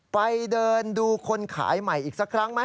ไปเดินดูคนขายใหม่อีกสักครั้งไหม